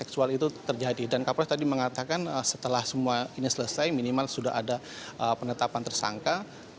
saya mengatakan setelah semua ini selesai minimal sudah ada penetapan tersangka